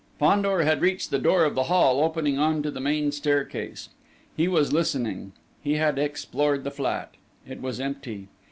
Fandor had reached the door of the hall opening on to the main staircase. He was listening.... He had explored the flat. It was empty.